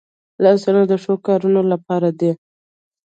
لاسونه د ښو کارونو لپاره دي